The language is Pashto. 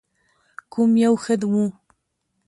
کوم یو ښه و؟